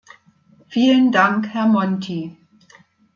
Vielen Dank, Herr Monti!